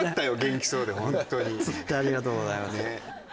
ホントにありがとうございます